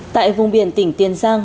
tại vùng biển tỉnh tiền giang